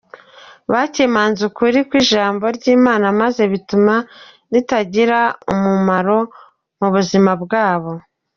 Bakemanze ukuri kw’Ijambo ry’Imana maze bituma ritagira umumaro mu buzima bwabo.